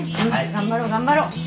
頑張ろう頑張ろう。